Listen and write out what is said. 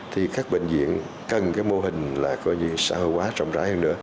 thì các bệnh viện cần mô hình xã hội quá rộng rãi hơn nữa